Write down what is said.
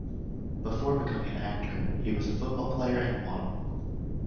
Before becoming an actor, he was a football player and a model.